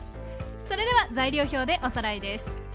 それでは材料表でおさらいです。